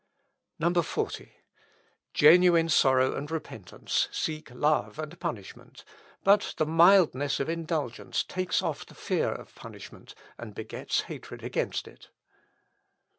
40. "Genuine sorrow and repentance seek and love punishment; but the mildness of indulgence takes off the fear of punishment, and begets hatred against it.